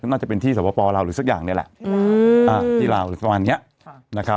น่าจะเป็นที่สวพปลาวหรือสักอย่างเนี้ยแหละอืมอ่าที่ลาวหรือสำหรับอันนี้ค่ะนะครับ